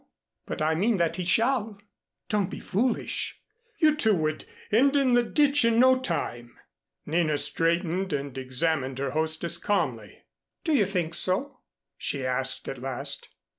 But I mean that he shall." "Don't be foolish. You two would end in the ditch in no time." Nina straightened and examined her hostess calmly. "Do you think so?" she asked at last.